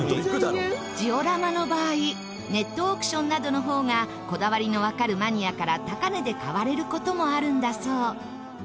ジオラマの場合ネットオークションなどの方がこだわりのわかるマニアから高値で買われる事もあるんだそう。